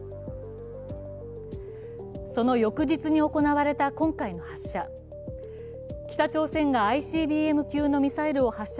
その翌日に行われた今回の発射。